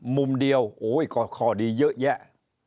มุมเดียวโอ้ยก็ข้อดีเยอะแยะ